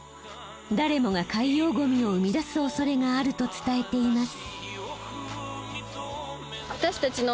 誰もが海洋ゴミを生み出すおそれがあると伝えています。